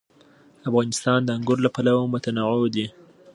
افغانستان د انګور له پلوه متنوع دی.